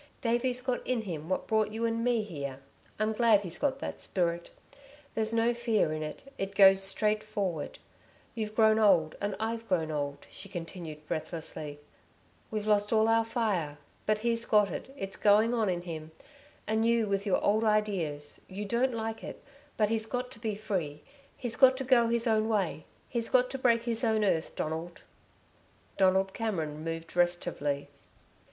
Davey's got in him what brought you and me here. I'm glad he's got that spirit. There's no fear in it it goes straight forward. You've grown old and I've grown old," she continued breathlessly. "We've lost all our fire, but he's got it it's going on in him. And you with your old ideas you don't like it but he's got to be free he's got to go his own way he's got to break his own earth, Donald." Donald Cameron moved restively.